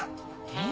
えっ？